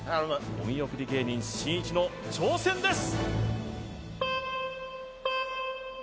お見送り芸人しんいちの挑戦です！